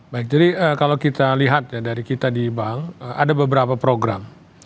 baik jadi kalau kita lihat ya dari kita di bank ada beberapa program